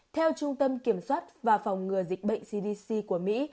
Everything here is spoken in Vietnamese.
theo trung tâm kiểm soát và phòng ngừa dịch bệnh cdc của mỹ